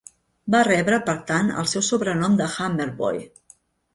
Va rebre per tant el seu sobrenom de "Hammerboy".